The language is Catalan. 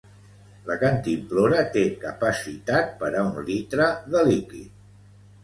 La cantimplora té capacitat per un litre de líquid.